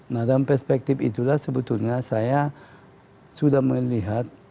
nah dalam perspektif itulah sebetulnya saya sudah melihat